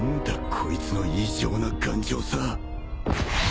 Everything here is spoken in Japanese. こいつの異常な頑丈さ